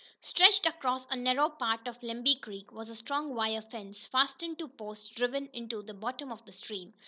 Stretched across a narrow part of Lemby Creek was a strong wire fence, fastened to posts driven into the bottom of the stream.